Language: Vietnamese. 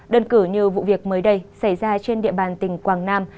đơn cử như vụ việc mới đây xảy ra trên địa bàn tỉnh quảng nam